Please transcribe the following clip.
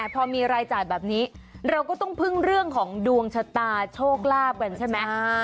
พอมีรายจ่ายแบบนี้เราก็ต้องพึ่งเรื่องของดวงชะตาโชคลาภกันใช่ไหม